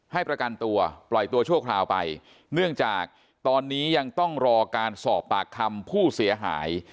ให้ประกันตัวปล่อยตัวชั่วคราวไปเนื่องจากตอนนี้ยังต้องรอการสอบปากคำผู้เสียหาย